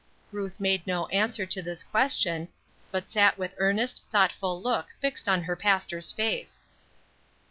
Ruth made no answer to this question, but sat with earnest, thoughtful look fixed on her pastor's face.